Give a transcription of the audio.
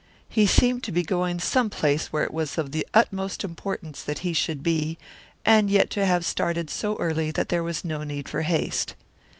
He seemed to be going some place where it was of the utmost importance that he should be, and yet to have started so early that there was no need for haste.